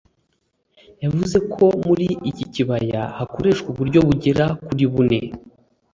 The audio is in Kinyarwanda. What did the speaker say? yavuze ko muri iki kibaya hakoreshwa uburyo bugera kuri bune